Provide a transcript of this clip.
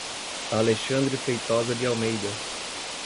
Alexandre Feitosa de Almeida